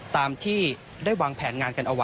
ตามที่ได้วางแผนงานกันเอาไว้